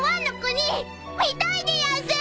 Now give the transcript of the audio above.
見たいでやんす！